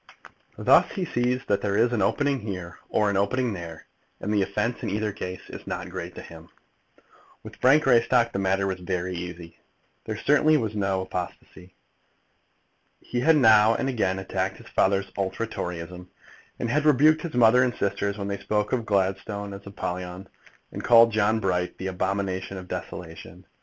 Thus he sees that there is an opening here or an opening there, and the offence in either case is not great to him. With Frank Greystock the matter was very easy. There certainly was no apostasy. He had now and again attacked his father's ultra Toryism, and rebuked his mother and sisters when they spoke of Gladstone as Apollyon, and called John Bright the Abomination of Desolation.